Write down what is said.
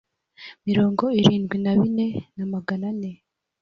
mirongo irindwi na bine na magana ane